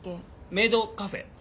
メイドカフェ。